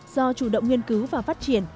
do chủ động nghiên cứu và phát triển